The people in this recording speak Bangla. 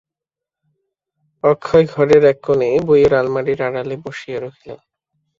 অক্ষয় ঘরের এক কোণে বইয়ের আলমারির আড়ালে বসিয়া রহিল।